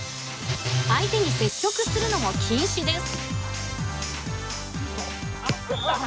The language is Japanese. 相手に接触するのも禁止です。